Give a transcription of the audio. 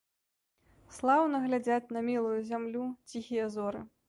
Слаўна глядзяць на мілую зямлю ціхія зоры.